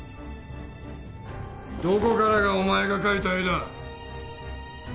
どこからがお前が描いた絵だ？